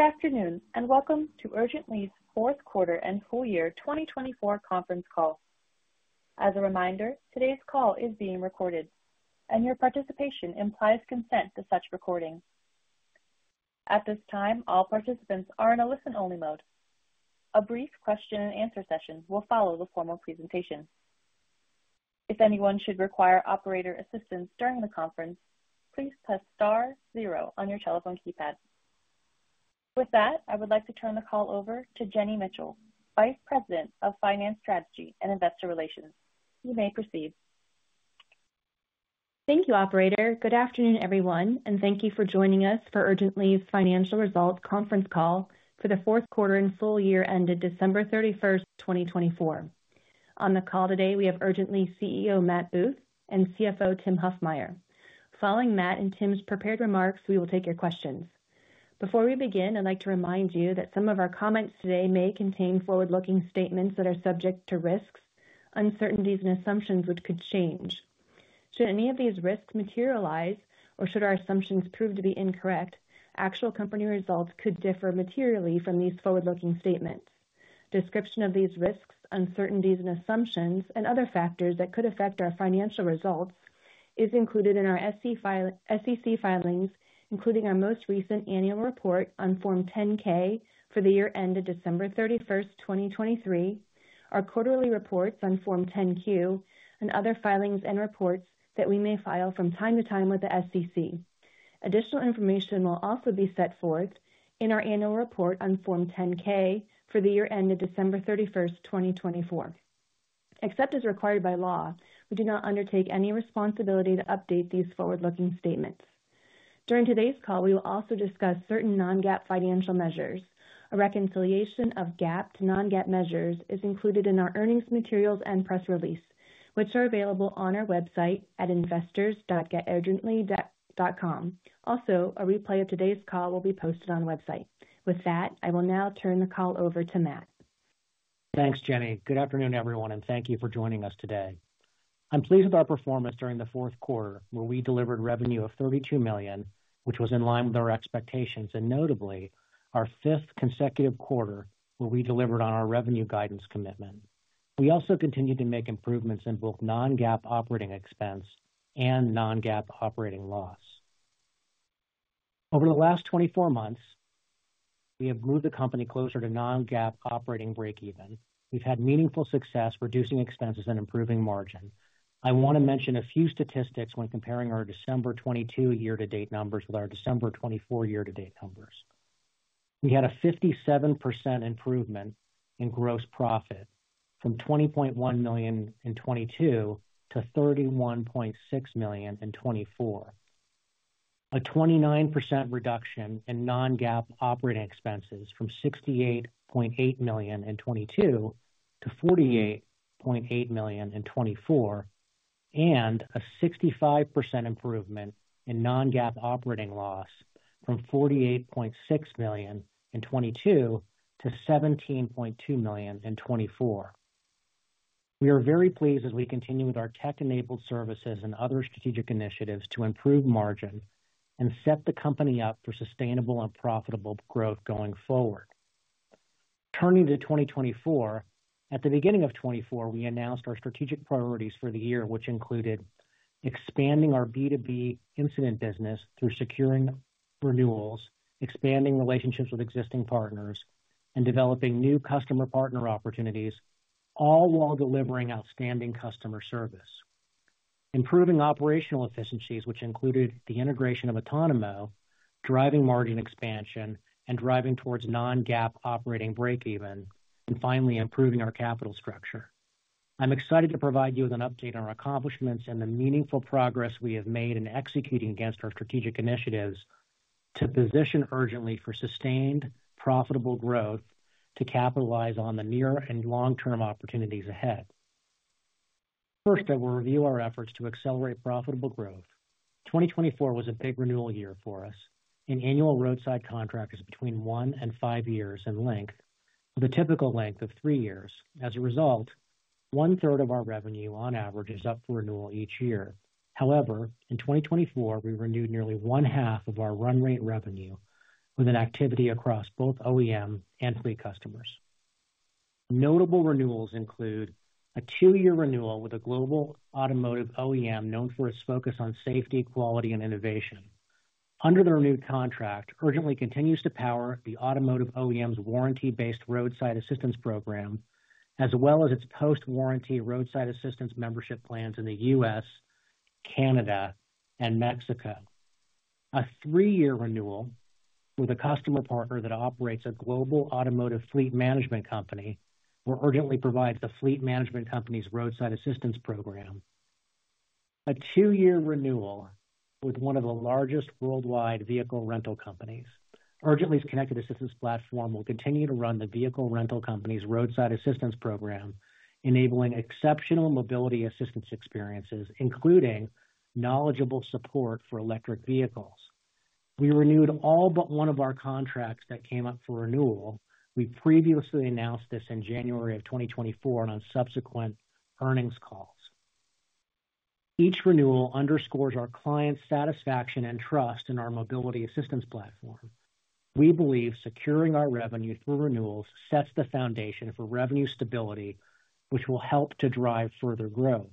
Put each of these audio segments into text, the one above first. Good afternoon, and welcome to Urgently's fourth quarter and full year 2024 conference call. As a reminder, today's call is being recorded, and your participation implies consent to such recording. At this time, all participants are in a listen-only mode. A brief question-and-answer session will follow the formal presentation. If anyone should require operator assistance during the conference, please press star zero on your telephone keypad. With that, I would like to turn the call over to Jenny Mitchell, Vice President of Finance Strategy and Investor Relations. You may proceed. Thank you, Operator. Good afternoon, everyone, and thank you for joining us for Urgently's financial results conference call for the fourth quarter and full year ended December 31, 2024. On the call today, we have Urgently CEO Matt Booth and CFO Tim Huffmyer. Following Matt and Tim's prepared remarks, we will take your questions. Before we begin, I'd like to remind you that some of our comments today may contain forward-looking statements that are subject to risks, uncertainties, and assumptions which could change. Should any of these risks materialize, or should our assumptions prove to be incorrect, actual company results could differ materially from these forward-looking statements. Description of these risks, uncertainties, and assumptions, and other factors that could affect our financial results is included in our SEC filings, including our most recent annual report on Form 10-K for the year ended December 31, 2023, our quarterly reports on Form 10-Q, and other filings and reports that we may file from time to time with the SEC. Additional information will also be set forth in our annual report on Form 10-K for the year ended December 31, 2024. Except as required by law, we do not undertake any responsibility to update these forward-looking statements. During today's call, we will also discuss certain non-GAAP financial measures. A reconciliation of GAAP to non-GAAP measures is included in our earnings materials and press release, which are available on our website at investors.geturgently.com. Also, a replay of today's call will be posted on our website. With that, I will now turn the call over to Matt. Thanks, Jenny. Good afternoon, everyone, and thank you for joining us today. I'm pleased with our performance during the fourth quarter, where we delivered revenue of $32 million, which was in line with our expectations, and notably, our fifth consecutive quarter, where we delivered on our revenue guidance commitment. We also continued to make improvements in both non-GAAP operating expense and non-GAAP operating loss. Over the last 24 months, we have moved the company closer to non-GAAP operating break-even. We've had meaningful success reducing expenses and improving margin. I want to mention a few statistics when comparing our December 2022 year-to-date numbers with our December 2024 year-to-date numbers. We had a 57% improvement in gross profit from $20.1 million in 2022 to $31.6 million in 2024, a 29% reduction in non-GAAP operating expenses from $68.8 million in 2022 to $48.8 million in 2024, and a 65% improvement in non-GAAP operating loss from $48.6 million in 2022 to $17.2 million in 2024. We are very pleased as we continue with our tech-enabled services and other strategic initiatives to improve margin and set the company up for sustainable and profitable growth going forward. Turning to 2024, at the beginning of 2024, we announced our strategic priorities for the year, which included expanding our B2B incident business through securing renewals, expanding relationships with existing partners, and developing new customer partner opportunities, all while delivering outstanding customer service, improving operational efficiencies, which included the integration of Otonomo, driving margin expansion, and driving towards non-GAAP operating break-even, and finally, improving our capital structure. I'm excited to provide you with an update on our accomplishments and the meaningful progress we have made in executing against our strategic initiatives to position Urgently for sustained profitable growth to capitalize on the near and long-term opportunities ahead. First, I will review our efforts to accelerate profitable growth. 2024 was a big renewal year for us. In annual roadside contracts between one and five years in length, with a typical length of three years. As a result, one-third of our revenue on average is up for renewal each year. However, in 2024, we renewed nearly one-half of our run rate revenue with an activity across both OEM and fleet customers. Notable renewals include a two-year renewal with a global automotive OEM known for its focus on safety, quality, and innovation. Under the renewed contract, Urgently continues to power the automotive OEM's warranty-based roadside assistance program, as well as its post-warranty roadside assistance membership plans in the U.S., Canada, and Mexico. A three-year renewal with a customer partner that operates a global automotive fleet management company, where Urgently provides the fleet management company's roadside assistance program. A two-year renewal with one of the largest worldwide vehicle rental companies. Urgently's connected assistance platform will continue to run the vehicle rental company's roadside assistance program, enabling exceptional mobility assistance experiences, including knowledgeable support for electric vehicles. We renewed all but one of our contracts that came up for renewal. We previously announced this in January of 2024 and on subsequent earnings calls. Each renewal underscores our client's satisfaction and trust in our mobility assistance platform. We believe securing our revenue through renewals sets the foundation for revenue stability, which will help to drive further growth.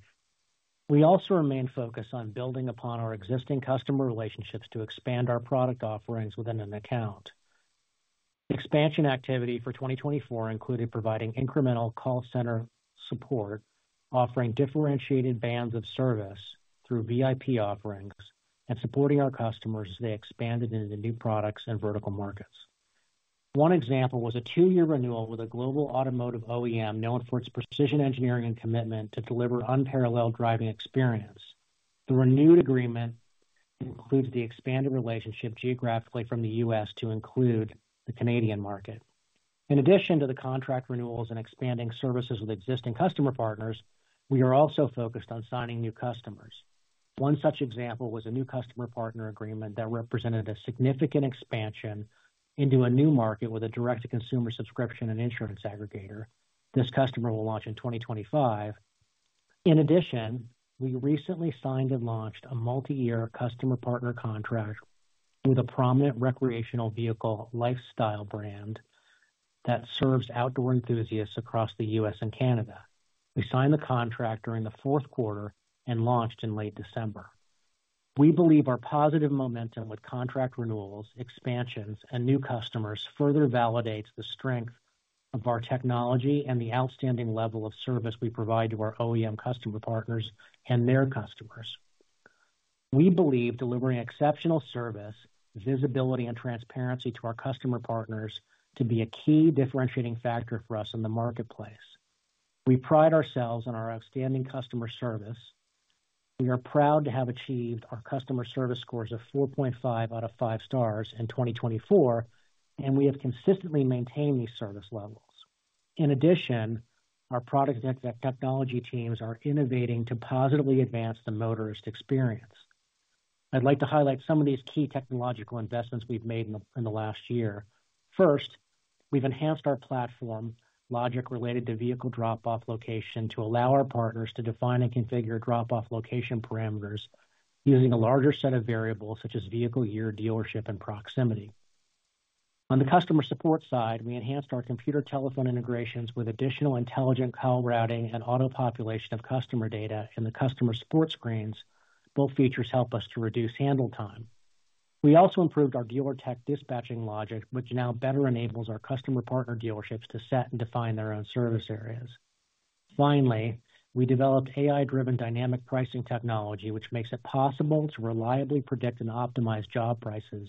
We also remain focused on building upon our existing customer relationships to expand our product offerings within an account. Expansion activity for 2024 included providing incremental call center support, offering differentiated bands of service through VIP offerings, and supporting our customers as they expanded into new products and vertical markets. One example was a two-year renewal with a global automotive OEM known for its precision engineering and commitment to deliver unparalleled driving experience. The renewed agreement includes the expanded relationship geographically from the U.S. to include the Canadian market. In addition to the contract renewals and expanding services with existing customer partners, we are also focused on signing new customers. One such example was a new customer partner agreement that represented a significant expansion into a new market with a direct-to-consumer subscription and insurance aggregator. This customer will launch in 2025. In addition, we recently signed and launched a multi-year customer partner contract with a prominent recreational vehicle lifestyle brand that serves outdoor enthusiasts across the U.S. and Canada. We signed the contract during the fourth quarter and launched in late December. We believe our positive momentum with contract renewals, expansions, and new customers further validates the strength of our technology and the outstanding level of service we provide to our OEM customer partners and their customers. We believe delivering exceptional service, visibility, and transparency to our customer partners to be a key differentiating factor for us in the marketplace. We pride ourselves on our outstanding customer service. We are proud to have achieved our customer service scores of 4.5 out of 5 stars in 2024, and we have consistently maintained these service levels. In addition, our product and technology teams are innovating to positively advance the motorist experience. I'd like to highlight some of these key technological investments we've made in the last year. First, we've enhanced our platform logic related to vehicle drop-off location to allow our partners to define and configure drop-off location parameters using a larger set of variables such as vehicle year, dealership, and proximity. On the customer support side, we enhanced our computer telephone integrations with additional intelligent call routing and auto-population of customer data in the customer support screens. Both features help us to reduce handle time. We also improved our dealer tech dispatching logic, which now better enables our customer partner dealerships to set and define their own service areas. Finally, we developed AI-driven dynamic pricing technology, which makes it possible to reliably predict and optimize job prices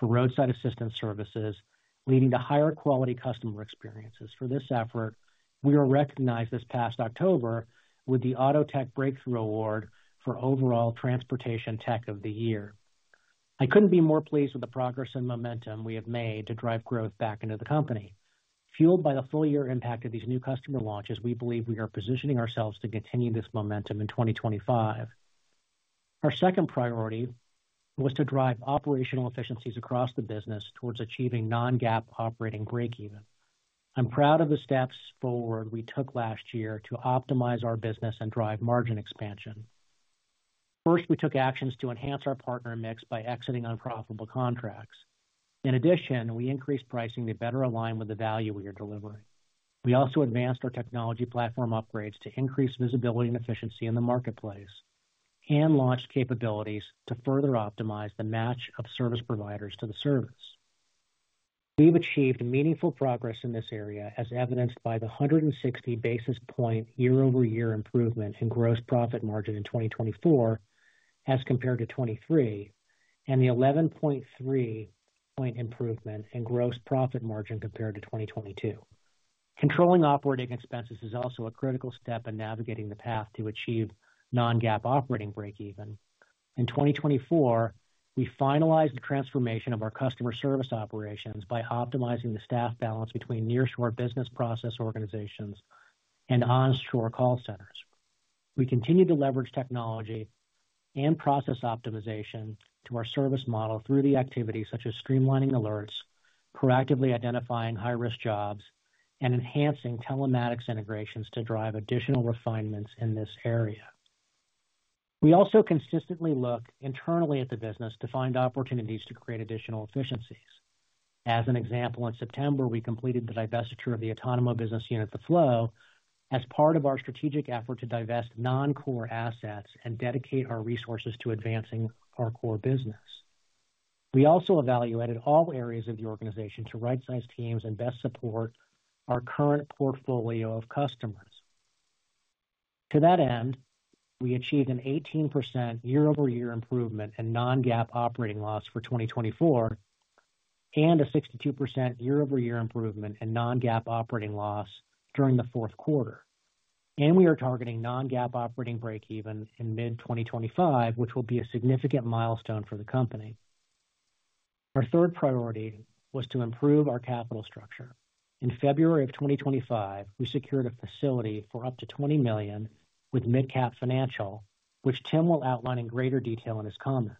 for roadside assistance services, leading to higher quality customer experiences. For this effort, we were recognized this past October with the AutoTech Breakthrough Award for overall transportation tech of the year. I could not be more pleased with the progress and momentum we have made to drive growth back into the company. Fueled by the full-year impact of these new customer launches, we believe we are positioning ourselves to continue this momentum in 2025. Our second priority was to drive operational efficiencies across the business towards achieving non-GAAP operating break-even. I am proud of the steps forward we took last year to optimize our business and drive margin expansion. First, we took actions to enhance our partner mix by exiting unprofitable contracts. In addition, we increased pricing to better align with the value we are delivering. We also advanced our technology platform upgrades to increase visibility and efficiency in the marketplace and launched capabilities to further optimize the match of service providers to the service. We have achieved meaningful progress in this area, as evidenced by the 160 basis point year-over-year improvement in gross profit margin in 2024 as compared to 2023 and the 11.3 point improvement in gross profit margin compared to 2022. Controlling operating expenses is also a critical step in navigating the path to achieve non-GAAP operating break-even. In 2024, we finalized the transformation of our customer service operations by optimizing the staff balance between nearshore business process organizations and onshore call centers. We continue to leverage technology and process optimization to our service model through activities such as streamlining alerts, proactively identifying high-risk jobs, and enhancing telematics integrations to drive additional refinements in this area. We also consistently look internally at the business to find opportunities to create additional efficiencies. As an example, in September, we completed the divestiture of the Otonomo business unit, The Floow, as part of our strategic effort to divest non-core assets and dedicate our resources to advancing our core business. We also evaluated all areas of the organization to right-size teams and best support our current portfolio of customers. To that end, we achieved an 18% year-over-year improvement in non-GAAP operating loss for 2024 and a 62% year-over-year improvement in non-GAAP operating loss during the fourth quarter. We are targeting non-GAAP operating break-even in mid-2025, which will be a significant milestone for the company. Our third priority was to improve our capital structure. In February of 2025, we secured a facility for up to $20 million with MidCap Financial, which Tim will outline in greater detail in his comments.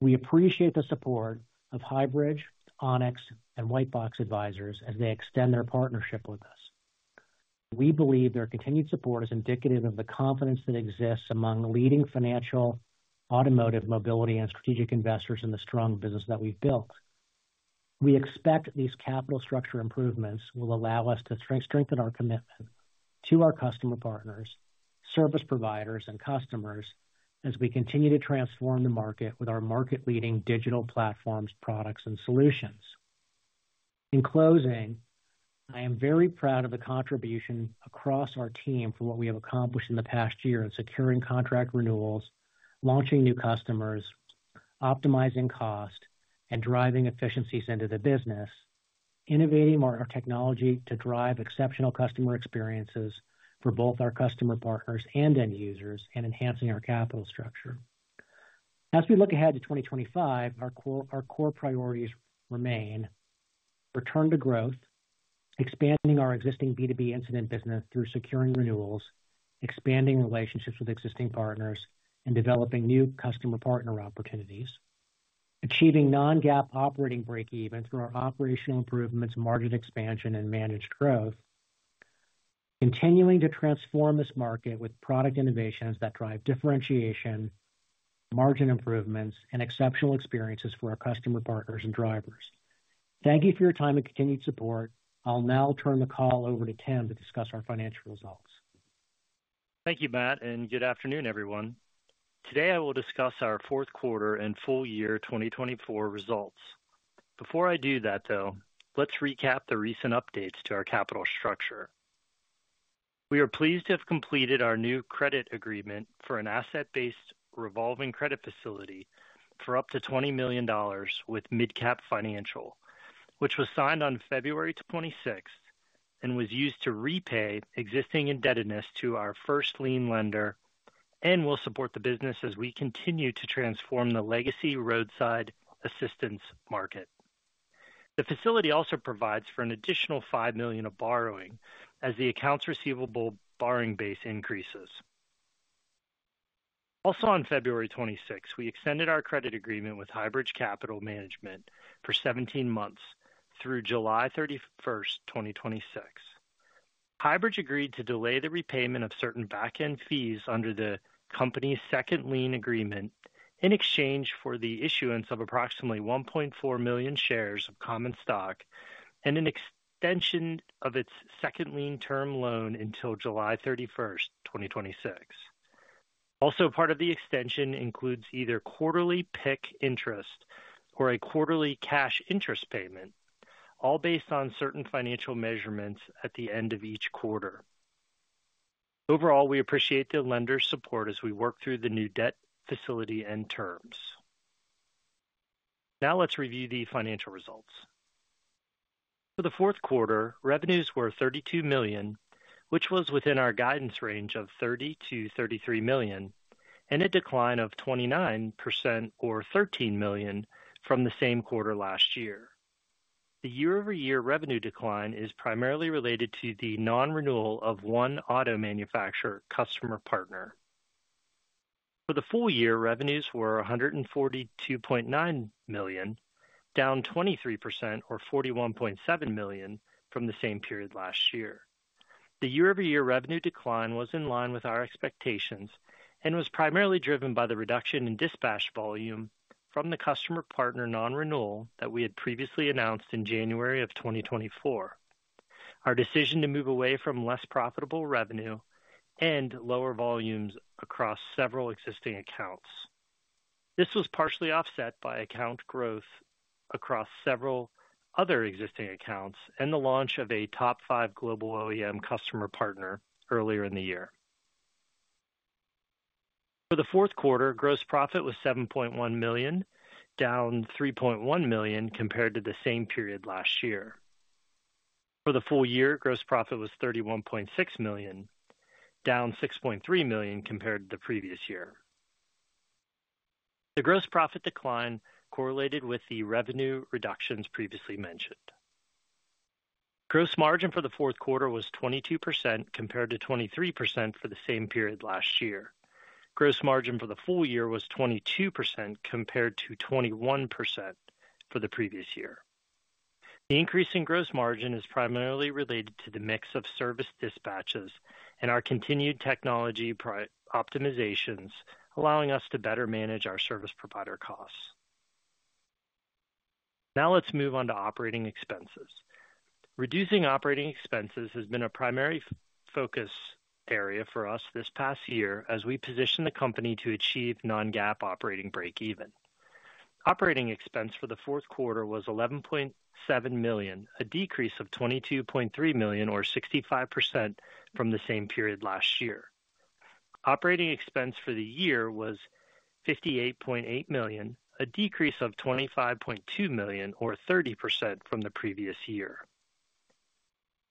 We appreciate the support of Highbridge, Onex, and Whitebox Advisors as they extend their partnership with us. We believe their continued support is indicative of the confidence that exists among leading financial, automotive, mobility, and strategic investors in the strong business that we've built. We expect these capital structure improvements will allow us to strengthen our commitment to our customer partners, service providers, and customers as we continue to transform the market with our market-leading digital platforms, products, and solutions. In closing, I am very proud of the contribution across our team for what we have accomplished in the past year in securing contract renewals, launching new customers, optimizing cost, and driving efficiencies into the business, innovating our technology to drive exceptional customer experiences for both our customer partners and end users, and enhancing our capital structure. As we look ahead to 2025, our core priorities remain return to growth, expanding our existing B2B incident business through securing renewals, expanding relationships with existing partners, and developing new customer partner opportunities, achieving non-GAAP operating break-even through our operational improvements, margin expansion, and managed growth, continuing to transform this market with product innovations that drive differentiation, margin improvements, and exceptional experiences for our customer partners and drivers. Thank you for your time and continued support. I'll now turn the call over to Tim to discuss our financial results. Thank you, Matt, and good afternoon, everyone. Today, I will discuss our fourth quarter and full-year 2024 results. Before I do that, though, let's recap the recent updates to our capital structure. We are pleased to have completed our new credit agreement for an asset-based revolving credit facility for up to $20 million with MidCap Financial, which was signed on February 26 and was used to repay existing indebtedness to our first lien lender and will support the business as we continue to transform the legacy roadside assistance market. The facility also provides for an additional $5 million of borrowing as the accounts receivable borrowing base increases. Also, on February 26, we extended our credit agreement with Highbridge Capital Management for 17 months through July 31, 2026. Highbridge agreed to delay the repayment of certain back-end fees under the company's second lien agreement in exchange for the issuance of approximately 1.4 million shares of common stock and an extension of its second lien term loan until July 31, 2026. Also, part of the extension includes either quarterly PIK interest or a quarterly cash interest payment, all based on certain financial measurements at the end of each quarter. Overall, we appreciate the lender's support as we work through the new debt facility and terms. Now, let's review the financial results. For the fourth quarter, revenues were $32 million, which was within our guidance range of $30-$33 million, and a decline of 29% or $13 million from the same quarter last year. The year-over-year revenue decline is primarily related to the non-renewal of one auto manufacturer customer partner. For the full year, revenues were $142.9 million, down 23% or $41.7 million from the same period last year. The year-over-year revenue decline was in line with our expectations and was primarily driven by the reduction in dispatch volume from the customer partner non-renewal that we had previously announced in January of 2024, our decision to move away from less profitable revenue and lower volumes across several existing accounts. This was partially offset by account growth across several other existing accounts and the launch of a top five global OEM customer partner earlier in the year. For the fourth quarter, gross profit was $7.1 million, down $3.1 million compared to the same period last year. For the full year, gross profit was $31.6 million, down $6.3 million compared to the previous year. The gross profit decline correlated with the revenue reductions previously mentioned. Gross margin for the fourth quarter was 22% compared to 23% for the same period last year. Gross margin for the full year was 22% compared to 21% for the previous year. The increase in gross margin is primarily related to the mix of service dispatches and our continued technology optimizations, allowing us to better manage our service provider costs. Now, let's move on to operating expenses. Reducing operating expenses has been a primary focus area for us this past year as we position the company to achieve non-GAAP operating break-even. Operating expense for the fourth quarter was $11.7 million, a decrease of $22.3 million or 65% from the same period last year. Operating expense for the year was $58.8 million, a decrease of $25.2 million or 30% from the previous year.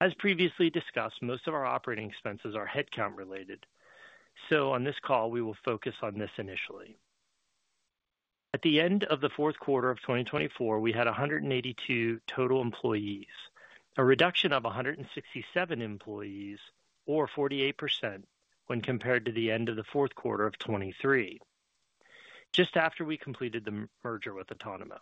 As previously discussed, most of our operating expenses are headcount related. On this call, we will focus on this initially. At the end of the fourth quarter of 2024, we had 182 total employees, a reduction of 167 employees or 48% when compared to the end of the fourth quarter of 2023, just after we completed the merger with Otonomo.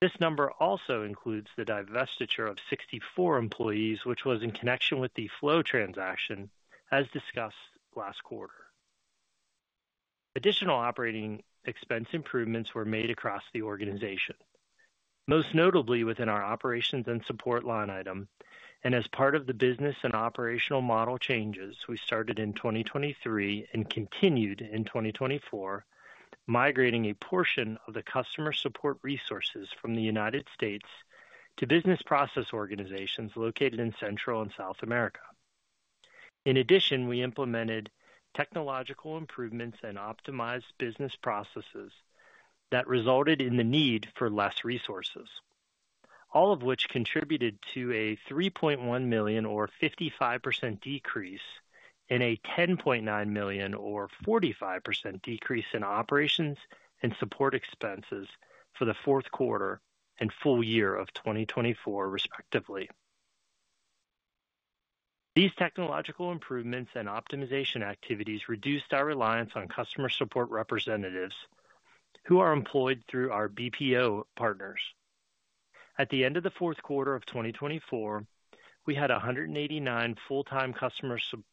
This number also includes the divestiture of 64 employees, which was in connection with The Floow transaction, as discussed last quarter. Additional operating expense improvements were made across the organization, most notably within our operations and support line item. As part of the business and operational model changes we started in 2023 and continued in 2024, migrating a portion of the customer support resources from the United States to business process organizations located in Central and South America. In addition, we implemented technological improvements and optimized business processes that resulted in the need for fewer resources, all of which contributed to a $3.1 million or 55% decrease and a $10.9 million or 45% decrease in operations and support expenses for the fourth quarter and full year of 2024, respectively. These technological improvements and optimization activities reduced our reliance on customer support representatives who are employed through our BPO partners. At the end of the fourth quarter of 2024, we had 189 full-time customer support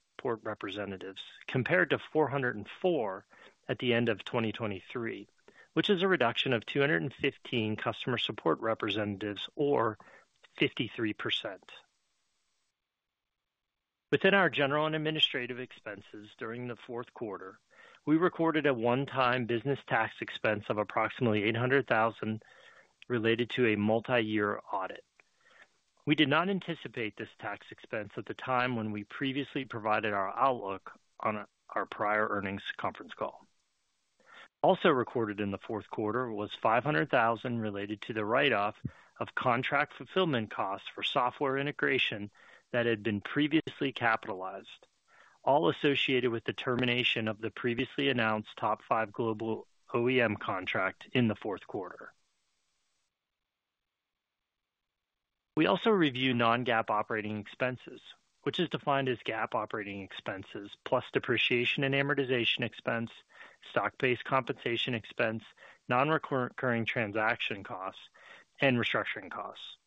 representatives compared to 404 at the end of 2023, which is a reduction of 215 customer support representatives or 53%. Within our general and administrative expenses during the fourth quarter, we recorded a one-time business tax expense of approximately $800,000 related to a multi-year audit. We did not anticipate this tax expense at the time when we previously provided our outlook on our prior earnings conference call. Also recorded in the fourth quarter was $500,000 related to the write-off of contract fulfillment costs for software integration that had been previously capitalized, all associated with the termination of the previously announced top five global OEM contract in the fourth quarter. We also review non-GAAP operating expenses, which is defined as GAAP operating expenses plus depreciation and amortization expense, stock-based compensation expense, non-recurring transaction costs, and restructuring costs.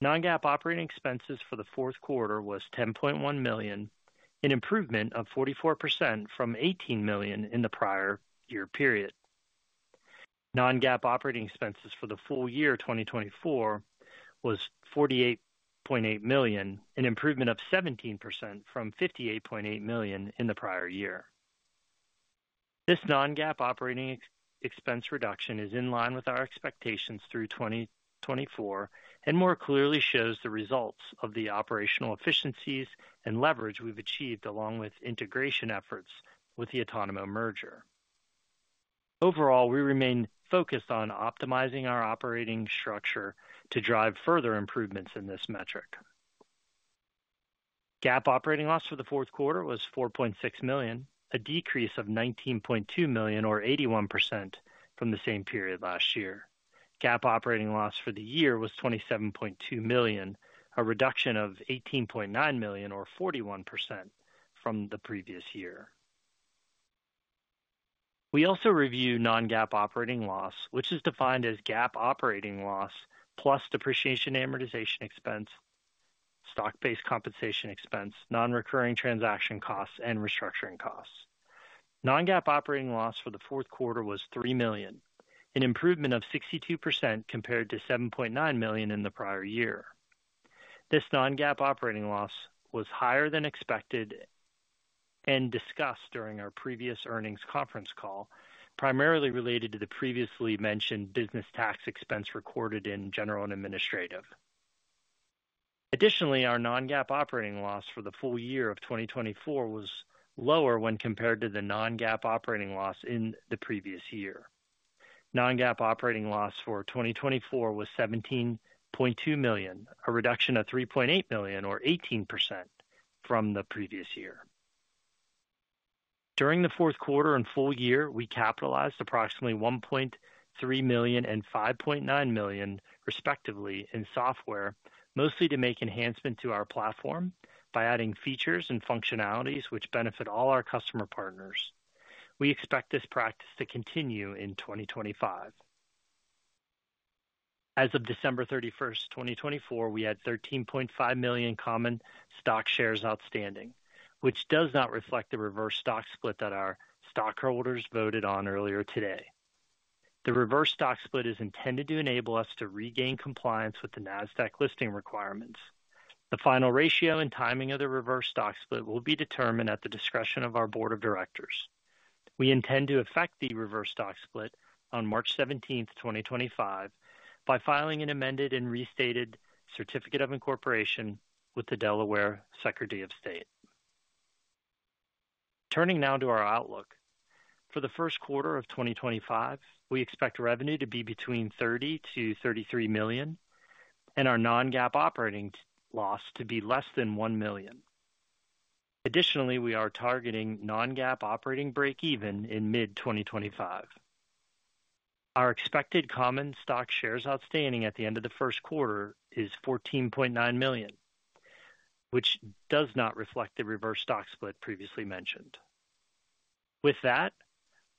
Non-GAAP operating expenses for the fourth quarter was $10.1 million, an improvement of 44% from $18 million in the prior year period. Non-GAAP operating expenses for the full year 2024 was $48.8 million, an improvement of 17% from $58.8 million in the prior year. This non-GAAP operating expense reduction is in line with our expectations through 2024 and more clearly shows the results of the operational efficiencies and leverage we've achieved along with integration efforts with the Otonomo merger. Overall, we remain focused on optimizing our operating structure to drive further improvements in this metric. GAAP operating loss for the fourth quarter was $4.6 million, a decrease of $19.2 million or 81% from the same period last year. GAAP operating loss for the year was $27.2 million, a reduction of $18.9 million or 41% from the previous year. We also review non-GAAP operating loss, which is defined as GAAP operating loss plus depreciation and amortization expense, stock-based compensation expense, non-recurring transaction costs, and restructuring costs. Non-GAAP operating loss for the fourth quarter was $3 million, an improvement of 62% compared to $7.9 million in the prior year. This non-GAAP operating loss was higher than expected and discussed during our previous earnings conference call, primarily related to the previously mentioned business tax expense recorded in general and administrative. Additionally, our non-GAAP operating loss for the full year of 2024 was lower when compared to the non-GAAP operating loss in the previous year. Non-GAAP operating loss for 2024 was $17.2 million, a reduction of $3.8 million or 18% from the previous year. During the fourth quarter and full year, we capitalized approximately $1.3 million and $5.9 million, respectively, in software, mostly to make enhancements to our platform by adding features and functionalities which benefit all our customer partners. We expect this practice to continue in 2025. As of December 31, 2024, we had 13.5 million common stock shares outstanding, which does not reflect the reverse stock split that our stockholders voted on earlier today. The reverse stock split is intended to enable us to regain compliance with the Nasdaq listing requirements. The final ratio and timing of the reverse stock split will be determined at the discretion of our board of directors. We intend to effect the reverse stock split on March 17th, 2025, by filing an amended and restated certificate of incorporation with the Delaware Secretary of State. Turning now to our outlook, for the first quarter of 2025, we expect revenue to be between $30-$33 million and our non-GAAP operating loss to be less than $1 million. Additionally, we are targeting non-GAAP operating break-even in mid-2025. Our expected common stock shares outstanding at the end of the first quarter is 14.9 million, which does not reflect the reverse stock split previously mentioned. With that,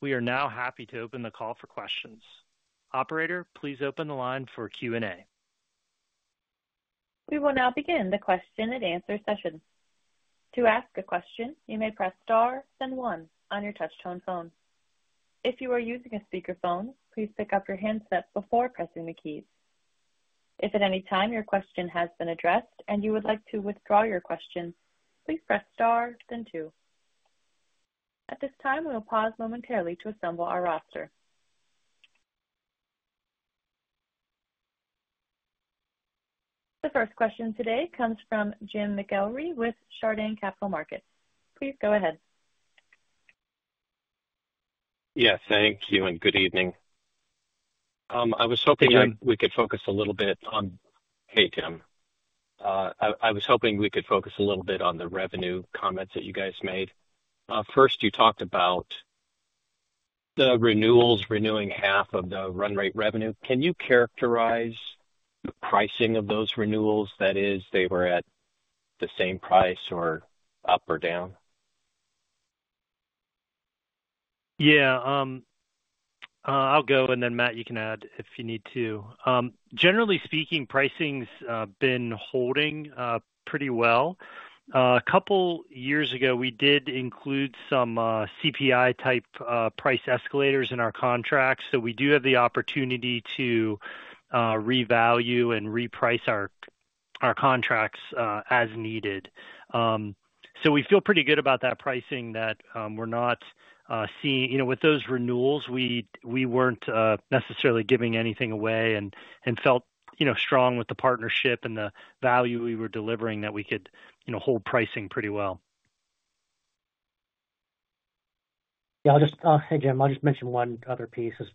we are now happy to open the call for questions. Operator, please open the line for Q&A. We will now begin the question and answer session. To ask a question, you may press star then one on your touch-tone phone. If you are using a speakerphone, please pick up your handset before pressing the keys. If at any time your question has been addressed and you would like to withdraw your question, please press star then two. At this time, we will pause momentarily to assemble our roster. The first question today comes from Jim McIlree with Chardan Capital Markets. Please go ahead. Yes, thank you and good evening. I was hoping we could focus a little bit on—hey, Tim. I was hoping we could focus a little bit on the revenue comments that you guys made. First, you talked about the renewals renewing half of the run rate revenue. Can you characterize the pricing of those renewals? That is, they were at the same price or up or down? Yeah. I'll go, and then Matt, you can add if you need to. Generally speaking, pricing's been holding pretty well. A couple of years ago, we did include some CPI-type price escalators in our contracts. We do have the opportunity to revalue and reprice our contracts as needed. We feel pretty good about that pricing that we're not seeing—with those renewals, we weren't necessarily giving anything away and felt strong with the partnership and the value we were delivering that we could hold pricing pretty well. Yeah. I'll just—hey, Jim. I'll just mention one other piece. A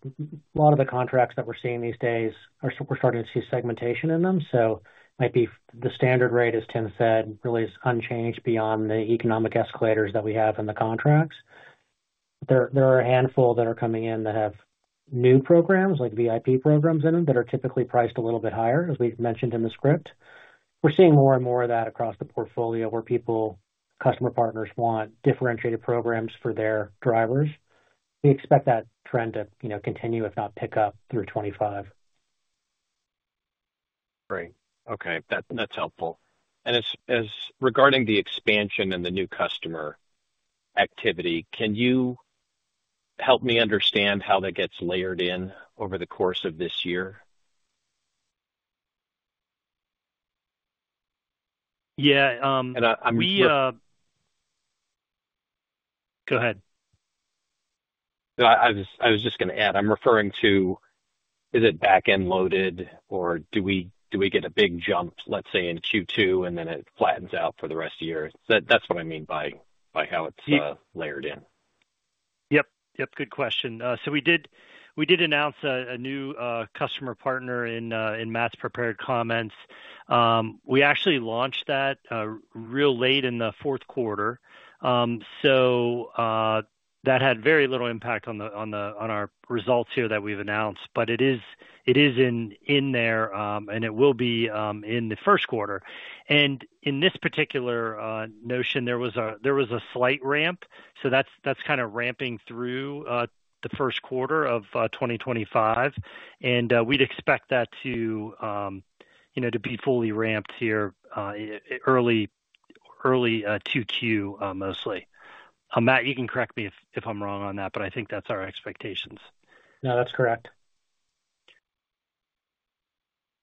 lot of the contracts that we're seeing these days, we're starting to see segmentation in them. It might be the standard rate, as Tim said, really is unchanged beyond the economic escalators that we have in the contracts. There are a handful that are coming in that have new programs like VIP programs in them that are typically priced a little bit higher, as we've mentioned in the script. We're seeing more and more of that across the portfolio where customer partners want differentiated programs for their drivers. We expect that trend to continue, if not pick up, through 2025. Great. Okay. That's helpful. Regarding the expansion and the new customer activity, can you help me understand how that gets layered in over the course of this year? Yeah. And I'm— Go ahead. I was just going to add, I'm referring to, is it back-end loaded, or do we get a big jump, let's say, in Q2, and then it flattens out for the rest of the year? That's what I mean by how it's layered in. Yep. Yep. Good question. We did announce a new customer partner in Matt's prepared comments. We actually launched that real late in the fourth quarter. That had very little impact on our results here that we've announced, but it is in there, and it will be in the first quarter. In this particular notion, there was a slight ramp. That's kind of ramping through the first quarter of 2025. We'd expect that to be fully ramped here early Q2 mostly. Matt, you can correct me if I'm wrong on that, but I think that's our expectations. No, that's correct.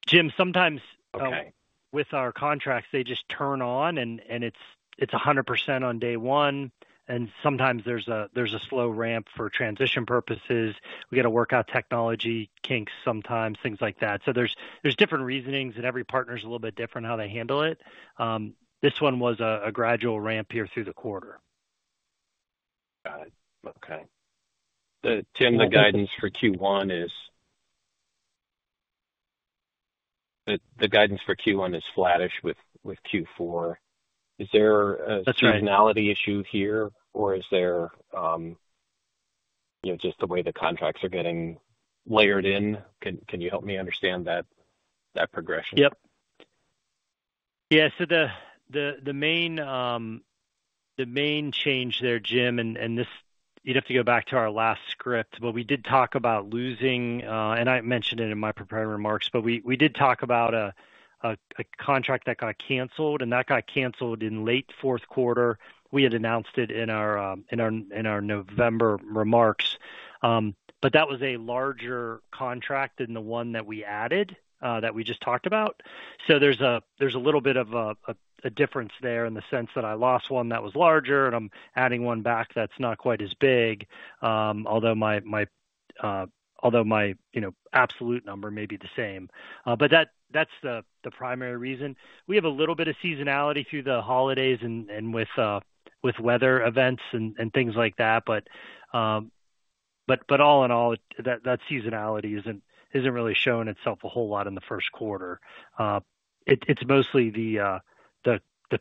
Jim, sometimes with our contracts, they just turn on, and it's 100% on day one. Sometimes there's a slow ramp for transition purposes. We got to work out technology kinks sometimes, things like that. There are different reasonings, and every partner is a little bit different how they handle it. This one was a gradual ramp here through the quarter. Got it. Okay. Tim, the guidance for Q1 is—the guidance for Q1 is flattish with Q4. Is there a seasonality issue here, or is there just the way the contracts are getting layered in? Can you help me understand that progression? Yep. Yeah. The main change there, Jim, and you'd have to go back to our last script, but we did talk about losing—and I mentioned it in my prepared remarks—we did talk about a contract that got canceled, and that got canceled in late fourth quarter. We had announced it in our November remarks. That was a larger contract than the one that we added that we just talked about. There is a little bit of a difference there in the sense that I lost one that was larger, and I'm adding one back that's not quite as big, although my absolute number may be the same. That is the primary reason. We have a little bit of seasonality through the holidays and with weather events and things like that. All in all, that seasonality is not really showing itself a whole lot in the first quarter. It's mostly the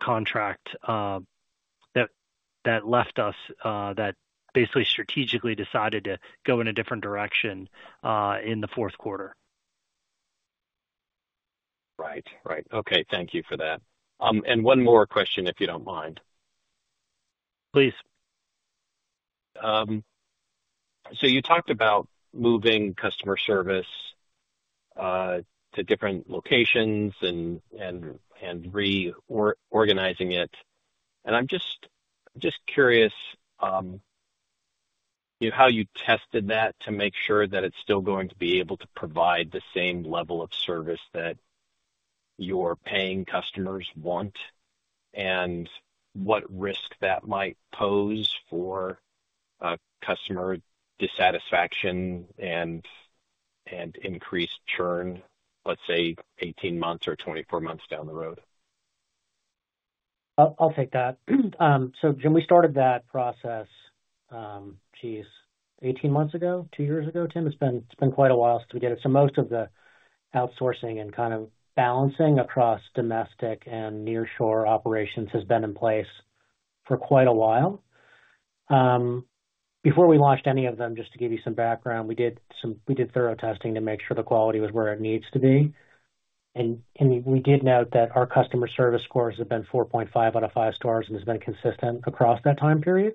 contract that left us that basically strategically decided to go in a different direction in the fourth quarter. Right. Right. Okay. Thank you for that. One more question, if you don't mind. Please. You talked about moving customer service to different locations and reorganizing it. I'm just curious how you tested that to make sure that it's still going to be able to provide the same level of service that your paying customers want and what risk that might pose for customer dissatisfaction and increased churn, let's say, 18 months or 24 months down the road. I'll take that. Jim, we started that process, geez, 18 months ago, two years ago. Tim, it's been quite a while since we did it. Most of the outsourcing and kind of balancing across domestic and near-shore operations has been in place for quite a while. Before we launched any of them, just to give you some background, we did thorough testing to make sure the quality was where it needs to be. We did note that our customer service scores have been 4.5 out of 5 stars and have been consistent across that time period.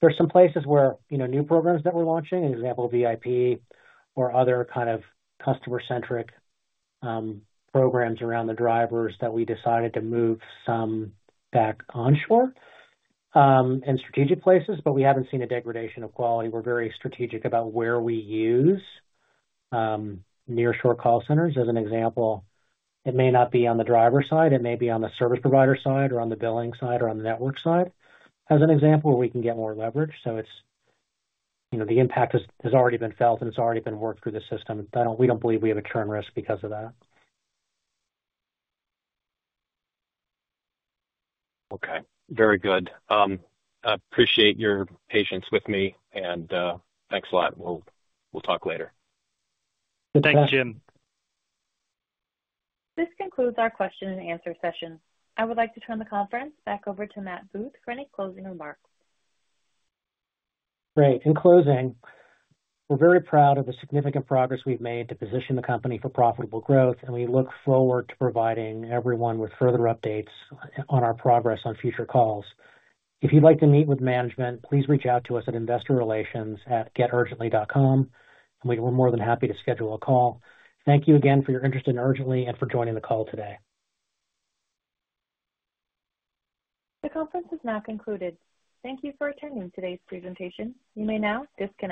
There are some places where new programs that we're launching, an example of VIP or other kind of customer-centric programs around the drivers, that we decided to move some back onshore in strategic places, but we haven't seen a degradation of quality. We're very strategic about where we use near-shore call centers as an example. It may not be on the driver's side. It may be on the service provider side or on the billing side or on the network side as an example where we can get more leverage. The impact has already been felt and it's already been worked through the system. We don't believe we have a churn risk because of that. Okay. Very good. I appreciate your patience with me, and thanks a lot. We'll talk later. Thanks, Jim. This concludes our question and answer session. I would like to turn the conference back over to Matt Booth for any closing remarks. Great. In closing, we're very proud of the significant progress we've made to position the company for profitable growth, and we look forward to providing everyone with further updates on our progress on future calls. If you'd like to meet with management, please reach out to us at investorrelations@geturgently.com, and we're more than happy to schedule a call. Thank you again for your interest in Urgently and for joining the call today. The conference is now concluded. Thank you for attending today's presentation. You may now disconnect.